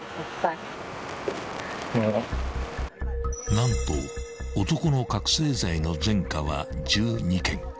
［何と男の覚醒剤の前科は１２件］